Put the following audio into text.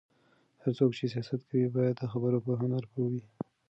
هر څوک چې سياست کوي، باید د خبرو په هنر پوه وي.